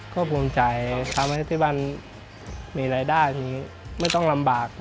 ก็ภูมิใจทำให้ที่บ้านมีรายได้ทีนี้ไม่ต้องลำบาก